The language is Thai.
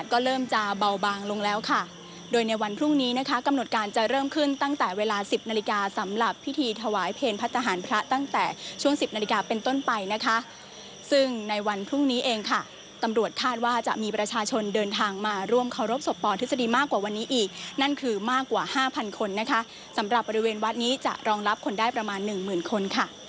สำหรับบริเวณวัดนี้จะรองรับคนได้ประมาณหนึ่งหมื่นคนค่ะ